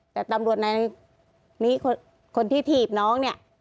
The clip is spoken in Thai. แต่ตำรวจในนี้คนที่ถีบน้องเนี่ย